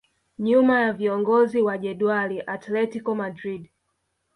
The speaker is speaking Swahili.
Nyuma ya viongozi wa jedwali Atletico Madrid